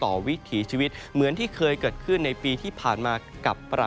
วิถีชีวิตเหมือนที่เคยเกิดขึ้นในปีที่ผ่านมากับประ